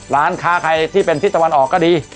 ร้านค้าใครที่เป็นทิศตะวันออกก็ดี